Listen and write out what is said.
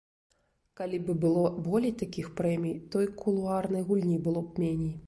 Калі б было болей такіх прэмій, то і кулуарнай гульні было б меней.